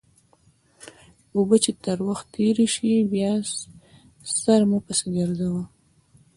اوبه چې تر ورخ تېرې شي؛ بیا سر مه پسې ګرځوه.